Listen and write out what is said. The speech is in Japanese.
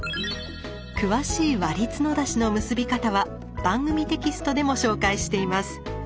詳しい「割り角出し」の結び方は番組テキストでも紹介しています。